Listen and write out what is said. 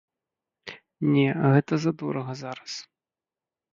Не, гэта задорага зараз.